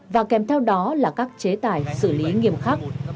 và kèm theo đó là các chế tài xử lý nghiêm khắc